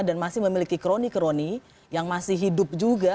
dan masih memiliki kroni kroni yang masih hidup juga